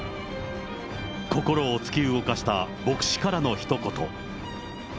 心を突き動かした牧師からのひと言。